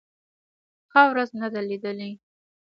ښه ورځ نه ده لېدلې.